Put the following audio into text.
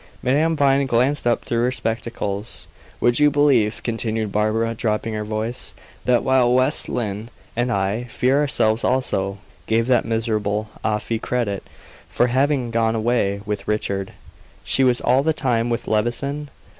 Madame Vine glanced up through her spectacles. "Would you believe," continued Barbara, dropping her voice, "that while West Lynne, and I fear ourselves also, gave that miserable Afy credit for having gone away with Richard, she was all the time with Levison?